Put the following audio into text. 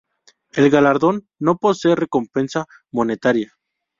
El galardón no posee recompensa monetaria.